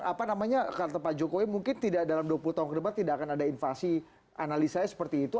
apa namanya kata pak jokowi mungkin tidak dalam dua puluh tahun ke depan tidak akan ada invasi analisanya seperti itu